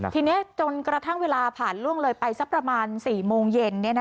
ทีนี้จนกระทั่งเวลาผ่านล่วงเลยไปสักประมาณ๔โมงเย็น